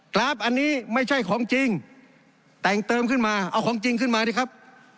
กราฟอันนี้ไม่ใช่ของจริงแต่งเติมขึ้นมาเอาของจริงขึ้นมาดิครับ